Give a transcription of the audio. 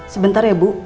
sebentar ya bu